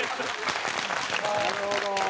なるほど。